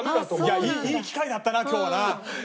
じゃあいい機会だったな今日はな。